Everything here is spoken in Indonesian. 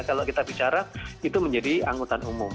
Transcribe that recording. kalau kita bicara itu menjadi angkutan umum